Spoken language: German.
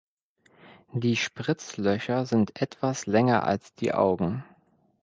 Die Spritzlöcher sind etwas länger als die Augen.